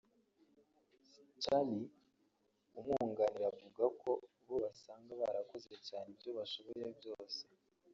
Chaly amwunganira avuga ko bo basanga barakoze cyane ibyo bashoboye byose